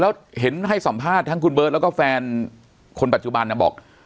แล้วเห็นให้สัมภาษณ์ทั้งคุณเบิร์ตแล้วก็แฟนคนปัจจุบันน่ะบอก